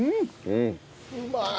うまい。